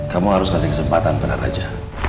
kamu harus kasih kesempatan kepada raja